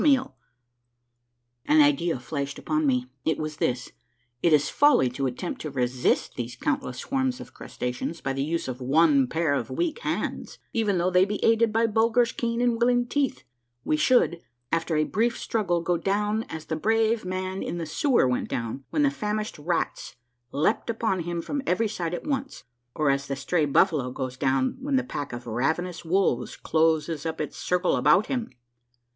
SAILING AWAY FROM THE LAND OF THE SOODOP9IES. A MARVELLOUS UNDERGROUND JOURNEY 145 An idea flashed upon me — it was this : it is folly to attempt to resist these countless swarms of crustaceans by the use of one pair of weak hands, even though they be aided by Bulger's keen and willing teeth. We should, after a brief struggle, go down as the brave man in the sewer went down, when the famished rats leaped upon him from every side at once, or as the stray buffalo goes down when the pack of ravenous wolves closes up its circle about him.